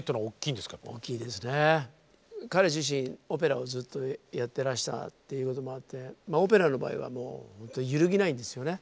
彼自身オペラをずっとやってらしたっていうこともあってまあオペラの場合はもうほんと揺るぎないんですよね。